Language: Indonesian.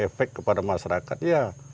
efek kepada masyarakat ya